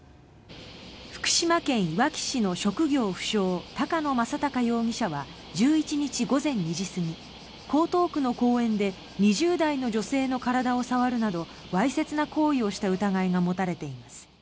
福島県いわき市の職業不詳、高野正貴容疑者は１１日午前２時過ぎ江東区の公園で２０代の女性の体を触るなどわいせつな行為をした疑いが持たれています。